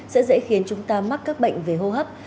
sẽ dễ khiến chúng ta mắc các bệnh về hô hấp